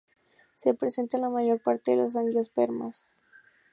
Se presenta en la mayor parte de las angiospermas.